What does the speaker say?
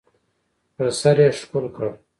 پر سر یې ښکل کړ .